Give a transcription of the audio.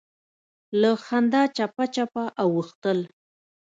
له خندا چپه چپه اوښتل.